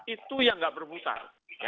itu yang enggak bermutar